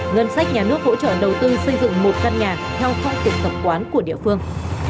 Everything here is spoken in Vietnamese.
ngân sách nhà nước hỗ trợ đầu tư xây dựng một căn nhà theo phong tục tập quán của địa phương